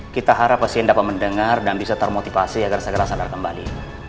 kita harap pasien dapat mendengar dan bisa termotivasi agar segera sadar kembali